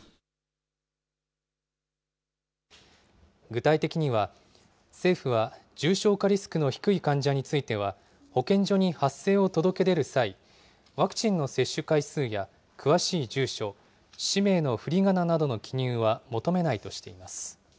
具体的には、政府は、重症化リスクの低い患者については、保健所に発生を届け出る際、ワクチンの接種回数や詳しい住所、氏名のふりがななどの記入は求めないとしています。